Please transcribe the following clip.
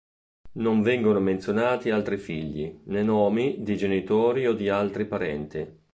Non vengono menzionati altri figli, né nomi di genitori o di altri parenti.